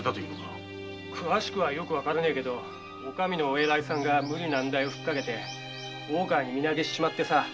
詳しくは知らねえがお上のお偉いさんが無理難題をふっかけて大川に身投げしちまってさ。